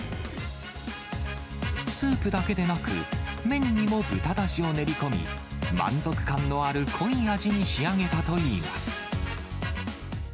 スープだけでなく、麺にも豚だしを練り込み、満足感のある濃い味に仕上げたといいます。